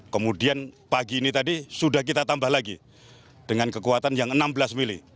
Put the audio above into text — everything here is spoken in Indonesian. kemudian pagi ini tadi sudah kita tambah lagi dengan kekuatan yang enam belas mili